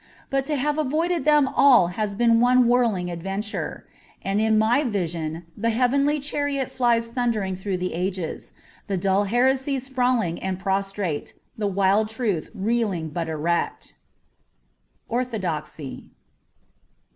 But to have avoided them all has been one whirling adventure ; and in my vision the heavenly chariot flies thundering through the ages, the dull heresies sprawling and prostrate, the wild truth reeling but erect. ^Orthodoxy.''